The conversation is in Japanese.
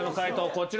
こちら。